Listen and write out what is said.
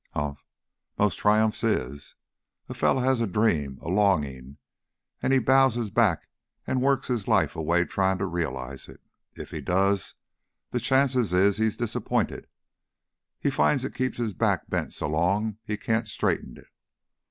"Humph! Most triumphs is. A feller has a dream a longin', an' he bows his back an' works his life away tryin' to realize it. If he does, the chances is he's disappointed. He finds he's kep' his back bent so long he can't straighten it.